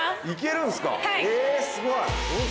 行けるんすかえすごい。